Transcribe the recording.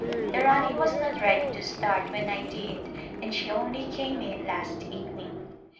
The Rani was not ready to start when I did and she only came in last evening.